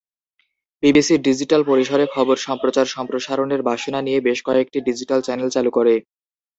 BBC digital পরিসরে খবর সম্প্রচার সম্প্রসারণের বাসনা নিয়ে বেশ কয়েকটি ডিজিটাল চ্যানেল চালু করে।